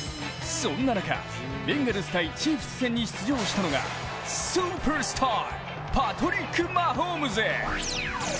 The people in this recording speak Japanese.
そんな中、ベンガルズ×チーフス戦に出場したのがスーパースター、パトリック・マホームズ。